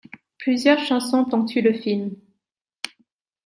Plusieurs chansons ponctuent le film.